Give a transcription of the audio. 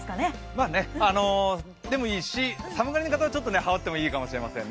これでもいいし、寒がりな方はちょっと羽織ってもいいかもしれないです。